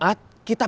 kita baru berjalan